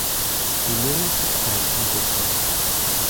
He mainly took part in vocals.